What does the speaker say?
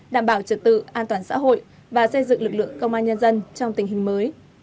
đảm bảo trật tự an toàn xã hội và xây dựng lực lượng công an nhân dân trong tình hình mới